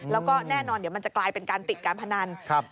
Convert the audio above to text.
แล้วก็แน่นอนเดี๋ยวมันจะกลายเป็นการติดการพนัน